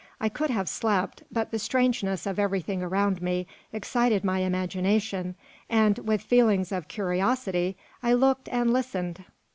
I could have slept, but the strangeness of everything around me excited my imagination, and, with feelings of curiosity, I looked and listened.